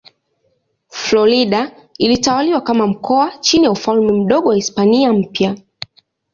Florida ilitawaliwa kama mkoa chini ya Ufalme Mdogo wa Hispania Mpya.